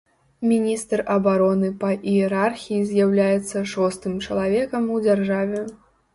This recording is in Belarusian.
Міністр абароны па іерархіі з'яўляецца шостым чалавекам у дзяржаве.